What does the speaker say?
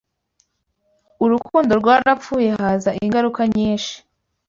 Urukundo rwarapfuye haza ingaruka nyinshi